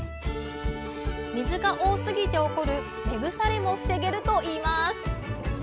水が多すぎて起こる根腐れも防げるといいます